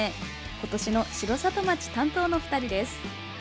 今年の城里町担当の２人です。